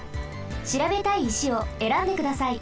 しらべたい石をえらんでください。